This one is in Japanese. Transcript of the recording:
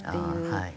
はい。